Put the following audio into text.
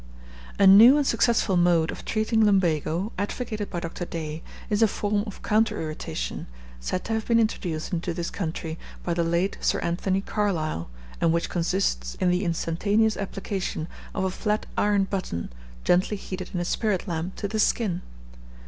A "new and successful mode" of treating lumbago, advocated by Dr. Day, is a form of counter irritation, said to have been introduced into this country by the late Sir Anthony Carlisle, and which consists in the instantaneous application of a flat iron button, gently heated in a spirit lamp, to the skin.